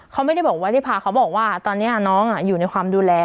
เขาไม่ได้พาเขาบอกว่าตอนนี้น้องอยู่ในความดูแล